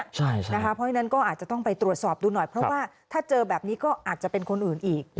เพราะฉะนั้นก็อาจจะต้องไปตรวจสอบดูหน่อยเพราะว่าถ้าเจอแบบนี้ก็อาจจะเป็นคนอื่นอีก